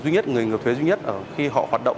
người đột thuế duy nhất khi họ hoạt động